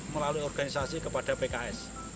melalui organisasi kepada pks